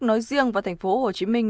nói riêng và thành phố hồ chí minh